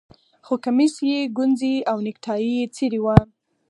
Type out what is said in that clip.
خو کمیس یې ګونځې او نیکټايي یې څیرې وه